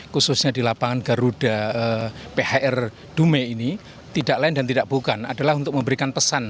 khususnya di lapangan garuda phr dume ini tidak lain dan tidak bukan adalah untuk memberikan pesan